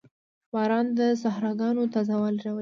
• باران د صحراګانو تازهوالی راولي.